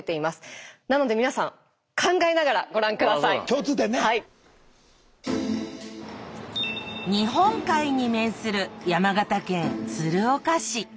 日本海に面する山形県鶴岡市。